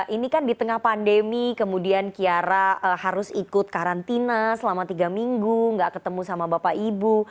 ini kan di tengah pandemi kemudian kiara harus ikut karantina selama tiga minggu gak ketemu sama bapak ibu